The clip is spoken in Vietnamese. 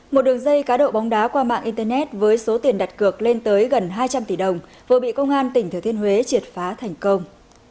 một đường dây cá độ bóng đá qua mạng internet với số tiền đặt cược lên tới gần hai trăm linh tỷ đồng vừa bị công an tỉnh thừa thiên huế triệt phá thành công